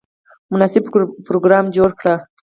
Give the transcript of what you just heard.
مناسب پروګرام جوړ کړي.